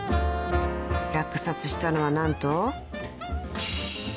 ［落札したのは何と］